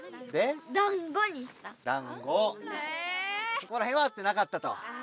そこらへんはあってなかったと。